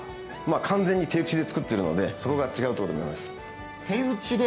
完全に手打ちで作っているのでそれが違うと思います。